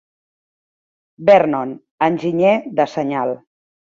Vernon, Enginyer de Senyal.